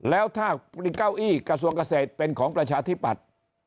แล้วถ้าเก้าอี้กระทรวงเกษตรเป็นของประชาธิปัตย์